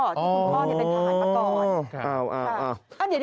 คุณพ่อเป็นผ่านประกอด